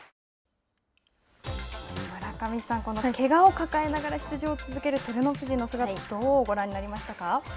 村上さん、このけがを抱えながら出場を続ける照ノ富士の姿どうご覧になりましたか。